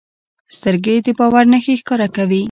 سترګې د باور نښې ښکاره کوي